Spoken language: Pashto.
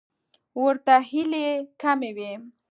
ورته هیلې کمې وې.